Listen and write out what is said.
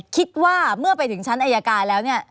คิดว่าเมื่อไปถึงชั้นอายการแล้วเนี่ย